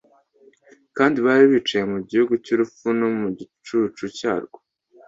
Kandi abari bicaye mu gihugu cy'urupfu no mu gicucu cyarwo,